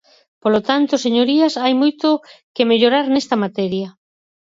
Polo tanto, señorías, hai moito que mellorar nesta materia.